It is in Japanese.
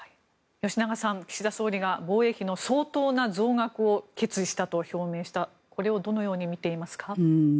吉永さん岸田総理が防衛費の相当な増額を決意したと表明したこれをどのように見ていますか。